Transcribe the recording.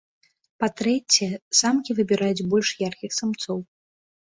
Па-трэцяе, самкі выбіраюць больш яркіх самцоў.